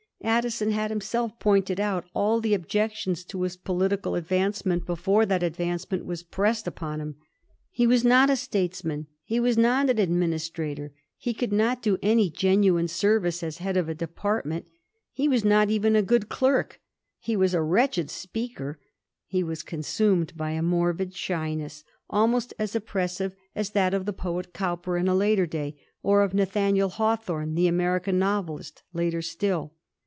Addison had himself pointed out all the objections to his political advancement before that advancement was pressed upon him. He was not a statesman ; he was not an administrator; he could not do any genuine service as head of a department ; he was not even a good clerk : he was a wretched speaker ; he was consumed by a morbid shyness, almost as oppressive as that of the poet Cowper in a later day, or of Nathaniel Hawthorne, the American novelist, later still.